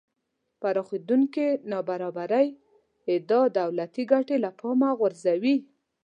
پراخېدونکې نابرابرۍ ادعا دولتی ګټې له پامه غورځوي